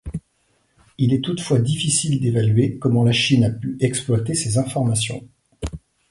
Il est toutefois difficile d'évaluer comment la Chine a pu exploiter ces informations.